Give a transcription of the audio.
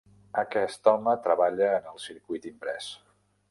Aquest home treballa en el circuit imprès.